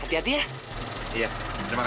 ya baik baik pak